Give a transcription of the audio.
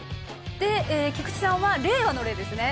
で菊地さんは令和の「令」ですね。